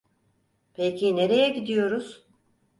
Peki, nereye gidiyoruz?